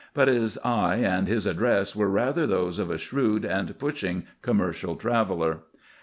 But his eye and his address were rather those of a shrewd and pushing commercial traveller.